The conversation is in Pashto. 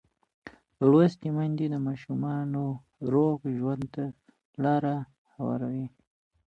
لوستې میندې د ماشوم روغ ژوند ته لار هواروي.